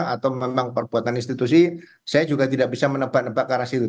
atau memang perbuatan institusi saya juga tidak bisa menebak nebak ke arah situ